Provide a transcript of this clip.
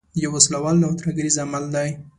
یو وسله وال او ترهګریز عمل دی.